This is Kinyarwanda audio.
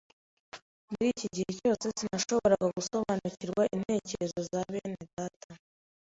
Muri iki gihe cyose sinashoboraga gusobanukirwa intekerezo za bene data.